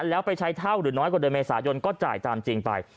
แล้วไปใช้เท่าหรือน้อยกว่าเดือนเมษายนก็จ่ายตามจริงไป